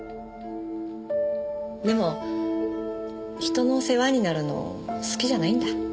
でも人の世話になるの好きじゃないんだ。